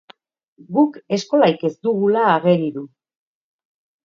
Guk eskolarik ez dugula ageri du.